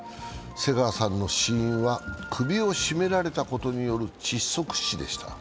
瀬川さんの死因は首を絞められたことによる窒息死でした。